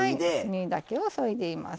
実だけをそいでいます。